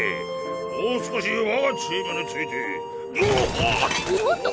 もう少しわがチームについておっと！